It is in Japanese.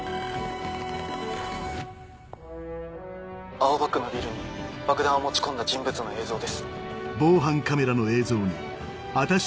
青葉区のビルに爆弾を持ち込んだ人物の映像です。